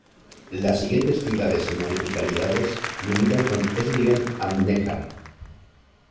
Las siguientes ciudades y municipalidades limitan con Esslingen am Neckar.